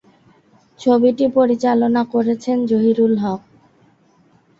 ছবিটি পরিচালনা করেছেন জহিরুল হক।